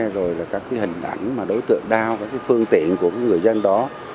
rồi là các hình ảnh đối tượng đao phương tiện của người dân đó